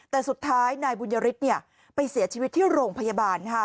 แต่สุดท้ายนายบุญยฤทธิ์ไปเสียชีวิตที่โรงพยาบาล